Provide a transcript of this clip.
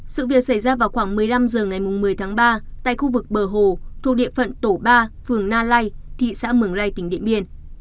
sự việc xảy ra vào khoảng một mươi năm h ngày một mươi ba tại khu vực bờ hồ thuộc địa phận tổ ba phường na lai thị xã mường lai tỉnh điện biên